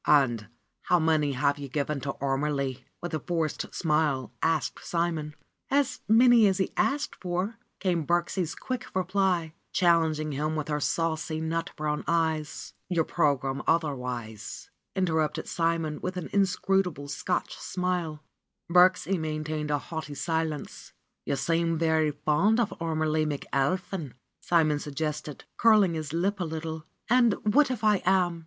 "And how many have you given to Ormelie?" with a forced smile asked Simon. 106 RENUNCIATION OF FRA SIMONETTA ^^As many as h e asked for came Birksie's quick reply, challenging him with her saucy nut brown eyes. ^^Your program otherwise?" interrupted Simon with an inscrutable Scotch smile. Birksie maintained a haughty silence. ^'You seem very fond of Ormelie McAlpin," Simon suggested, curling his lip a little. ^^And what if I am?"